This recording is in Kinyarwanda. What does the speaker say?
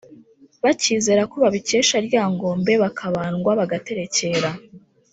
bakizera ko babikesha ryangombe bakabandwa bagaterekera